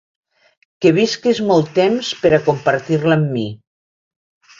Que visquis molt temps per a compartir-la amb mi!